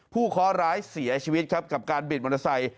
เคาะร้ายเสียชีวิตครับกับการบิดมอเตอร์ไซค